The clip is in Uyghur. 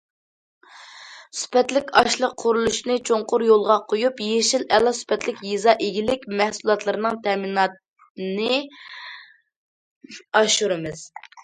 سۈپەتلىك ئاشلىق قۇرۇلۇشىنى چوڭقۇر يولغا قويۇپ، يېشىل، ئەلا سۈپەتلىك يېزا ئىگىلىك مەھسۇلاتلىرىنىڭ تەمىناتىنى ئاشۇرىمىز.